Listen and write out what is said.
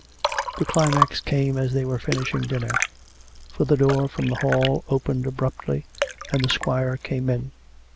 The climax came as they were finishing dinner: for the door from the hall opened abruptly, and the squire came in.